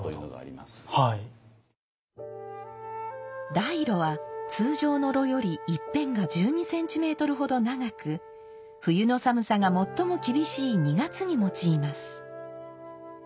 大炉は通常の炉より一辺が１２センチメートルほど長く冬の寒さが最も厳しい２月に用います。